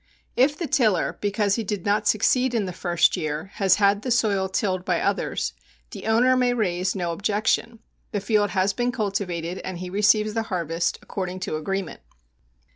If the tiller, because he did not succeed in the first year, has had the soil tilled by others, the owner may raise no objection; the field has been cultivated and he receives the harvest according to agreement.